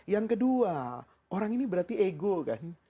yang kedua orang ini berarti ego kan